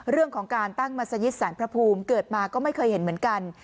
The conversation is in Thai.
เรื่องของการตั้งมัศยิตสารพระภูมิเกิดมาก็ไม่เคยเห็นเหมือนกัน